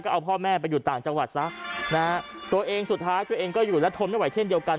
เขาเอาพ่อแม่มันไปอยู่ต่างจังหวัดซะตัวเองก็อยู่ณโทษไม่ไหวเช่นเดียวกัน